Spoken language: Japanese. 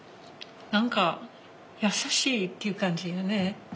何か優しいっていう感じよね。